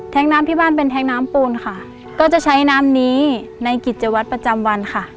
น้ำที่บ้านเป็นแท้งน้ำปูนค่ะก็จะใช้น้ำนี้ในกิจวัตรประจำวันค่ะ